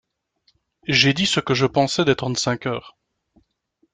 J’ai dit ce que je pensais des trente-cinq heures.